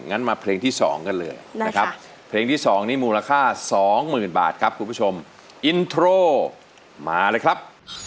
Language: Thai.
งั้นมาเพลงที่๒กันเลยนะครับเพลงที่๒นี้มูลค่าสองหมื่นบาทครับคุณผู้ชมอินโทรมาเลยครับ